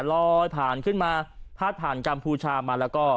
ลอยผ่านขึ้นมาพาดผ่านกัมพูชามาแล้วก็